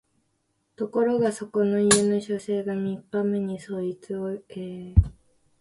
ところがそこの家の書生が三日目にそいつを裏の池へ持って行って四匹ながら棄てて来たそうだ